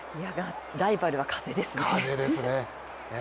ライバルは風ですね。